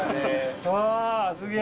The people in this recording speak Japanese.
わすげえ。